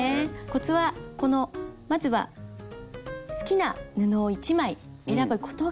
コツはまずは好きな布を１枚選ぶことが大事です。